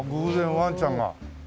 ワンちゃんが。